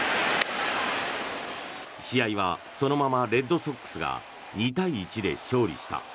試合はそのままレッドソックスが２対１で勝利した。